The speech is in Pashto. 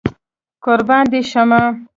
قربان دي شمه